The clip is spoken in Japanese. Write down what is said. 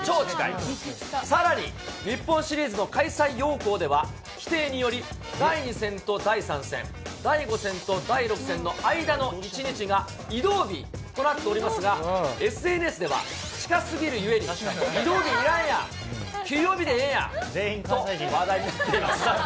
さらに日本シリーズの開催要項では、規定により第２戦と第３戦、第５戦と第６戦の間の１日が移動日となっておりますが、ＳＮＳでは、近すぎるゆえに、移動日いらんやん、休養日でええやんと話題になっていました。